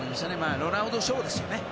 ロナウドショーですよね